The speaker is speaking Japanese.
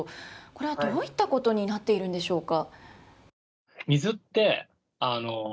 これはどういったことになっているんでしょうか。